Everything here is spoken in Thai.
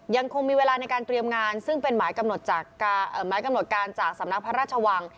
ยังคงมีเวลาในการเตรียมงานซึ่งเป็นหมายกำหนดหมายกำหนดการจากสำนักพระราชวัง